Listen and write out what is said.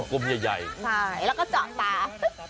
กลมใหญ่แล้วก็เจาะตา